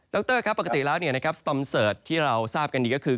รครับปกติแล้วสตอมเสิร์ตที่เราทราบกันดีก็คือ